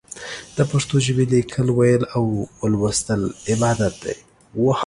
د پښتو ژبې ليکل، ويل او ولوستل عبادت دی.